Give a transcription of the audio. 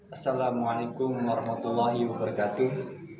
assalamualaikum warahmatullahi wabarakatuh